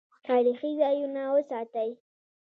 تاریخي ځایونه وساتئ